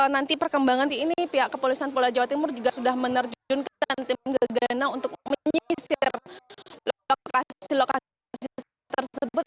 nanti perkembangan ini pihak kepolisian pola jawa timur juga sudah menerjun ke tim gagana untuk menyisir lokasi lokasi tersebut